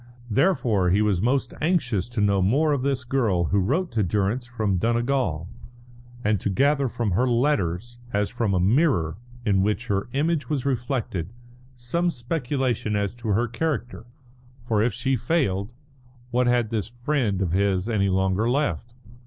Therefore he was most anxious to know more of this girl who wrote to Durrance from Donegal, and to gather from her letters, as from a mirror in which her image was reflected, some speculation as to her character. For if she failed, what had this friend of his any longer left?